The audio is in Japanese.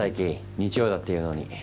日曜だっていうのに。